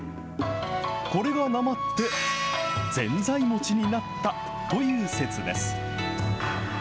これがなまって、ぜんざい餅になったという説です。